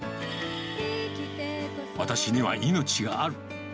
私には命がある。